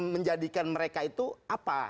menjadikan mereka itu apa